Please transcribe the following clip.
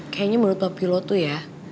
kayanya menurut papi lo tuh ya